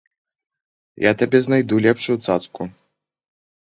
Я табе знайду лепшую цацку.